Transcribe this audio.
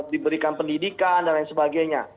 diberikan pendidikan dan lain sebagainya